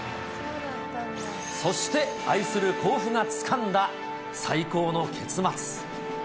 そして、愛する甲府がつかんだ最高の結末。